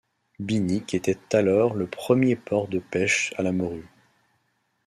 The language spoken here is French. Binic était alors le premier port de pêche à la morue.